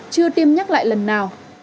chưa tiêm nhắc lại lần nào